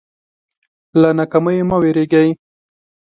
له ناکامیو مه وېرېږئ.